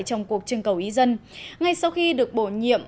trong cuộc trừng cầu y dân ngay sau khi được bổ nhiệm